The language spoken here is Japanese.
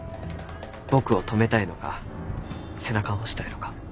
僕を止めたいのか背中を押したいのか。